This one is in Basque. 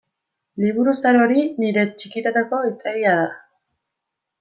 Liburu zahar hori nire txikitako hiztegia da.